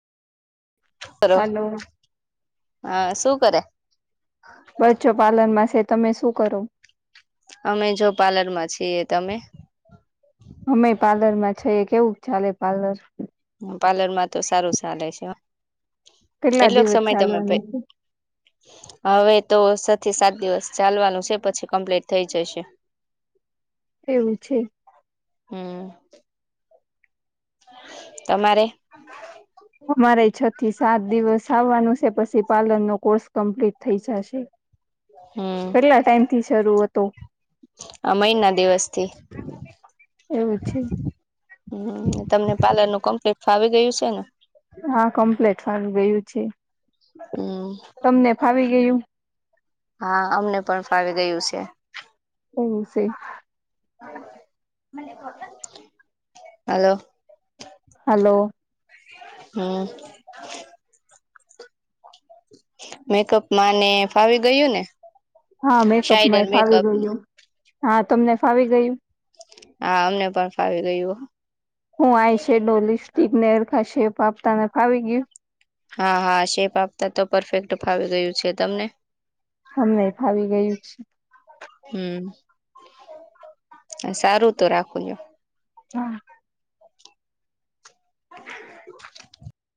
Hello hello હા શું કરે? બસ જો પાર્લરમાં છીએ તમે શું કરો? અમે જો પાર્લરમાં છીએ તમે. અમે પાર્લરમાં છે કેવું ચાલે પાર્લર? પાર્લર માં તો સારું ચાલે છે કેટલા કેટલોક દિવસ સમય તમે હ [unintelligible] [inaudible] ચાલવાનું છે હવે તો છ થી સાત દિવસ ચાલવાનું છે પછી કમ્પ્લીટ થઈ જશે. [inaudible] [unintelligible] એવું છે. હમ્મ. તમારે? [inaudible] અમારે છ થી સાત દિવસ આવવાનું છે પછી પાર્લરનો કોર્સ કમ્પ્લીટ થઈ જાશે. કેટલા ટાઈમથી શરૂ હતું? આ મહિના દિવસથી એવું છે હમ, તમને પાર્લરનું કમ્પ્લીટ ફાવી ગયું છે ને? હા, કમ્પ્લીટ ફાવી ગયું છે. હમ તમને ફાવી ગયું? હા અમને પણ ફાવી ગયું છે. ઓ છે હલ્લો. હલો. હમ્મ. મેકઅપ માને ફાવી ગયું ને? હા, સાઈડર મેકઅપમાંય ફાવી મેકઅપ ને ગયું. હા, તમને ફાવી ગયું? હા, અમને પણ ફાવી ગયું. હું આય છે, લિપસ્ટિકને સરખા શેપ આપતા ને ફાવી ગયું. હા હા, શેપ આપતા તો પરફેક્ટ ફાવી ગયું છે. તમને? અમને ફાવી ગયું છે. હમ, સારું. તો રાખું છો. હા. [inaudible]